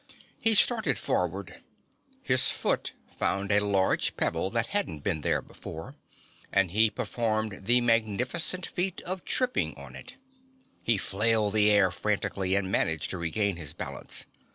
He started forward. His foot found a large pebble that hadn't been there before, and he performed the magnificent feat of tripping on it. He flailed the air frantically, and managed to regain his balance.